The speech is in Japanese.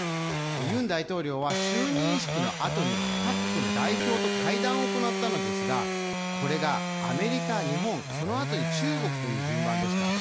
ユン大統領は就任式のあとに各国の代表と会談を行ったのですがこれがアメリカ、日本、そのあとに中国という順番でした。